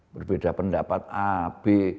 berbeda pendapat a b